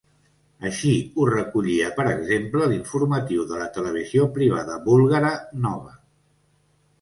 Així ho recollia, per exemple, l’informatiu de la televisió privada búlgara Nova.